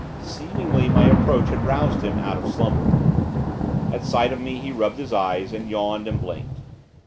Seemingly my approach had roused him out of slumber. At sight of me he rubbed his eyes, and yawned, and blinked.